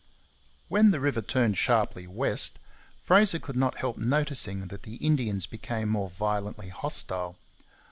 When the river turned sharply west, Fraser could not help noticing that the Indians became more violently hostile.